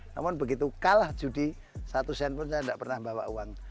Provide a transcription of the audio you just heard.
namun begitu kalah judi satu sen pun saya tidak pernah bawa uang